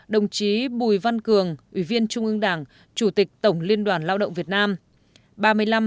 ba mươi bốn đồng chí bùi văn cường ủy viên trung ương đảng chủ tịch tổng liên đoàn lao động việt nam